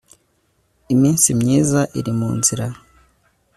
iminsi myiza iri mu nzira